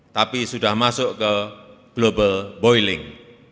tapi sudah masuk ke global boiling